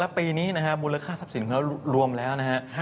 แล้วปีนี้มูลค่าทรัพย์สินค้ารวมแล้ว